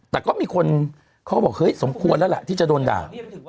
แต่ก็มีคนเขาก็บอกเฮ้ยสมควรแล้วล่ะที่จะโดนด่า